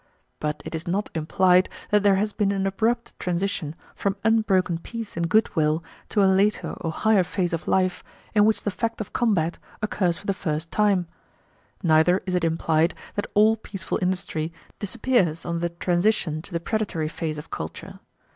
But it is not implied that there has been an abrupt transition from unbroken peace and good will to a later or higher phase of life in which the fact of combat occurs for the first time. Neither is it implied that all peaceful industry disappears on the transition to the predatory phase of culture.